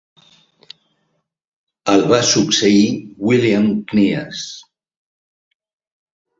El va succeir William Kneass.